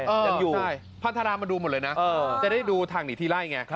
อย่างอยู่ปัฒนธรรมมาดูหมดเลยนะจะได้ดูทางหนีทีไล่ไง